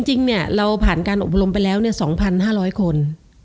จริงเนี่ยเราผ่านการอบรมไปแล้ว๒๕๐๐คน